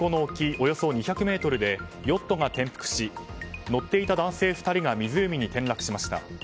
およそ２００ｍでヨットが転覆し乗っていた男性２人が湖に転落しました。